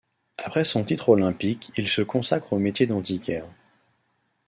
Après son titre olympique il se consacre au métier d'antiquaire.